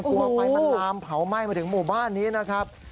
กลัวไฟมันลามเผาไหม้มาถึงหมู่บ้านนี้นะครับ